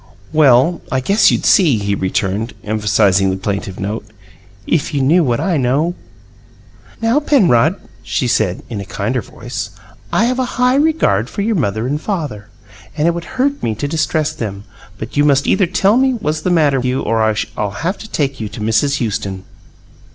"Well, I guess you'd see," he returned, emphasizing the plaintive note, "if you knew what I know." "Now, Penrod," she said, in a kinder voice, "I have a high regard for your mother and father, and it would hurt me to distress them, but you must either tell me what was the matter with you or I'll have to take you to Mrs. Houston."